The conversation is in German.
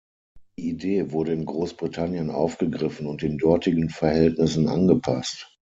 Die Idee wurde in Großbritannien aufgegriffen und den dortigen Verhältnissen angepasst.